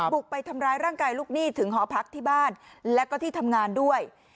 บุกไปทำร้ายร่างกายลูกหนี้ถึงหอพักที่บ้านแล้วก็ที่ทำงานด้วย